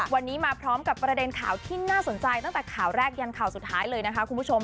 วันนี้มาพร้อมกับประเด็นข่าวที่น่าสนใจตั้งแต่ข่าวแรกยันข่าวสุดท้ายเลยนะคะคุณผู้ชม